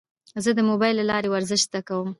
زه د موبایل له لارې ورزش زده کوم.